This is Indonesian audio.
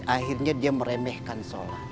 akhirnya dia meremehkan sholat